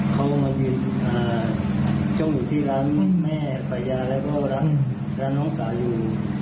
เขามายืนจ้องอยู่ที่ร้านแม่ป่ายาแล้วก็ร้านน้องสาวอยู่